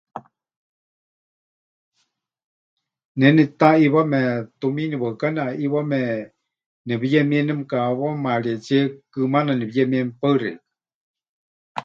Ne netitaʼiiwame, tumiini waɨká neʼaʼiiwame, nepɨyemie nemɨkehewamarietsíe, kɨmaana nepɨyemie. Mɨpaɨ xeikɨ́a.